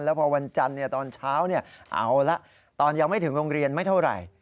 แล้วพอวันจันทร์ตอนเช้าเอาละตอนยังไม่ถึงโรงเรียนไม่เท่าไหร่